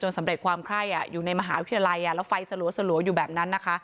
สำเร็จความไข้อยู่ในมหาวิทยาลัยแล้วไฟสลัวอยู่แบบนั้นนะคะ